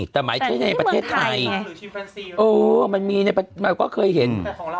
แต่หมายถึงในประเทศไทยมันมีก็เคยเห็น